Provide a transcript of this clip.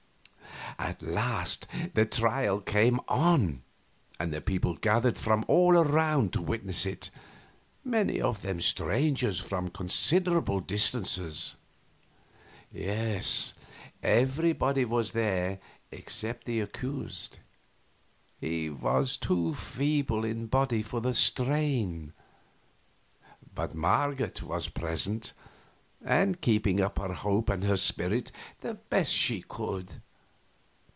At last the trial came on, and the people gathered from all around to witness it; among them many strangers from considerable distances. Yes, everybody was there except the accused. He was too feeble in body for the strain. But Marget was present, and keeping up her hope and her spirit the best she could.